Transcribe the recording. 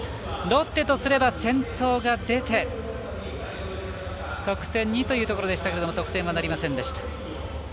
ロッテとすれば先頭が出て得点にというところでしたが得点には結び付きませんでした。